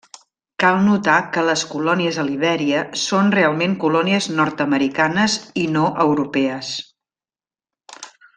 Cal notar que les colònies a Libèria, són realment colònies nord-americanes i no europees.